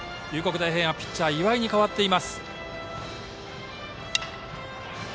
大平安はピッチャーが岩井に代わっています。